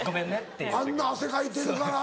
あんな汗かいてるから。